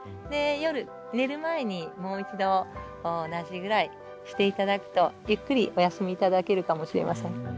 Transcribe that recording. で夜寝る前にもう一度同じぐらいしていただくとゆっくりお休みいただけるかもしれません。